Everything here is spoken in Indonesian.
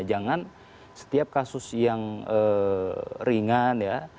jangan setiap kasus yang ringan ya